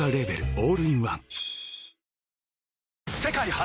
オールインワン世界初！